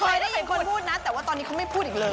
เคยได้เห็นคนพูดนะแต่ว่าตอนนี้เขาไม่พูดอีกเลย